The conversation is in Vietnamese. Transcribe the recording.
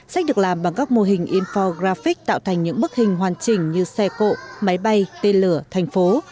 sách được làm bằng các mô hình infographic tạo thành những bức hình hoàn chỉnh như xe cộ máy bay tên lửa thành phố